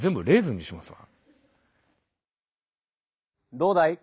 どうだい？